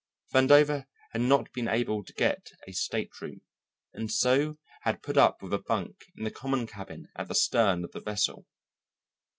Vandover had not been able to get a stateroom, and so had put up with a bunk in the common cabin at the stern of the vessel.